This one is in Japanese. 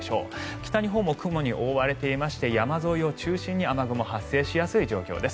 北日本も雲に覆われていまして山沿いを中心に雨雲が発生しやすい状況です。